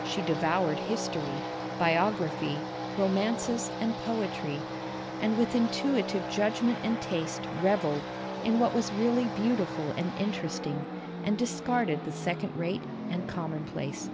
She devoured history, biography, romances, and poetry, and with intuitive judgment and taste revelled in what was really beauti ful and interesting, and discarded the second rate and commonplace.